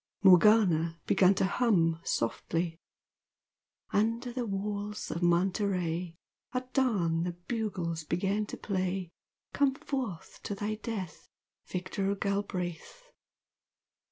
Morgana began to hum softly "Under the walls of Monterey At dawn the bugles began to play Come forth to thy death Victor Galbraith."